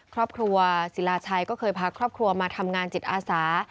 ครอบครัวศิลาชัยก็เคยพาครอบครัวมาทำงานจิตอาสา